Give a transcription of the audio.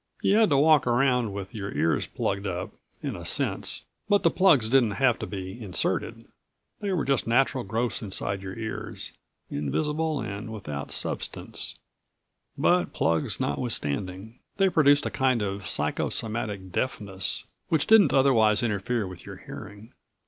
You had to walk around with your ears plugged up, in a sense, but the plugs didn't have to be inserted. They were just natural growths inside your ears invisible and without substance, but plugs notwithstanding. They produced a kind of psycho somatic deafness which didn't otherwise interfere with your hearing.